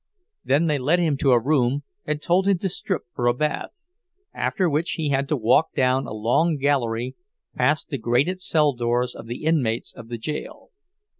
Then they led him to a room and told him to strip for a bath; after which he had to walk down a long gallery, past the grated cell doors of the inmates of the jail.